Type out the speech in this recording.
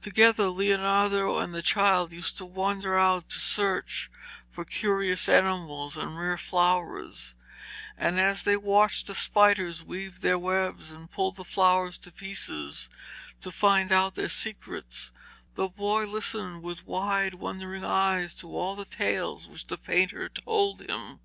Together Leonardo and the child used to wander out to search for curious animals and rare flowers, and as they watched the spiders weave their webs and pulled the flowers to pieces to find out their secrets, the boy listened with wide wondering eyes to all the tales which the painter told him.